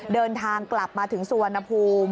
เดินทางกลับมาถึงสุวรรณภูมิ